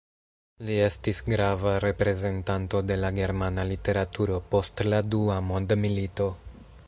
Li estis grava reprezentanto de la germana literaturo post la Dua mondmilito.